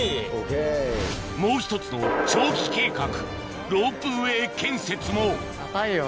もう１つの長期計画ロープウエー建設も高いよ。